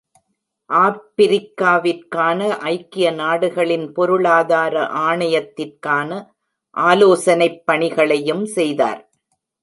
ஆப்பிரிக்காவிற்கான ஐக்கிய நாடுகளின் பொருளாதார ஆணையத்திற்கான ஆலோசனைப் பணிகளையும் செய்தார்.